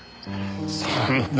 そんな。